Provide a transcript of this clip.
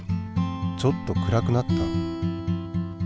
ちょっと暗くなった？